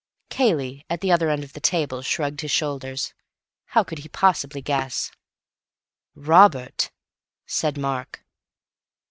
Cayley, at the other end of the table, shrugged his shoulders. How could he possibly guess? "Robert," said Mark.